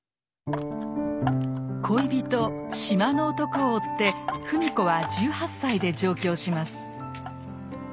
恋人「島の男」を追って芙美子は１８歳で上京します。